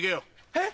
えっ？